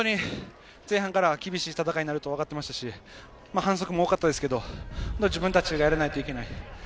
前半から厳しい戦いになると分かってましたし、反則も多かったですけれど、自分たちがやらないといけない。